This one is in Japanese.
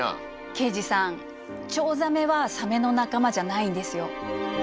刑事さんチョウザメはサメの仲間じゃないんですよ。